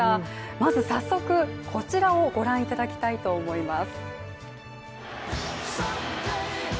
まず早速、こちらをご覧いただきたいと思います。